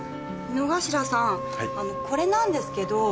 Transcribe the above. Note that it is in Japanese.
井之頭さんこれなんですけど。